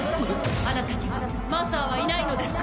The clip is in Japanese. あなたにはマザーはいないのですか？